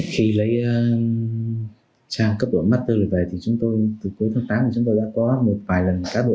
khi lấy trang cấp độ master lại về thì chúng tôi từ cuối tháng tám chúng tôi đã có một vài lần cá độ